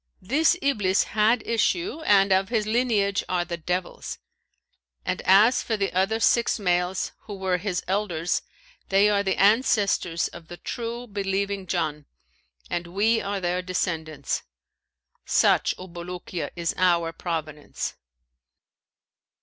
[FN#528] This Iblis had issue and of his lineage are the devils; and as for the other six males, who were his elders, they are the ancestors of the true believing Jann, and we are their descendants. Such, O Bulukiya is our provenance.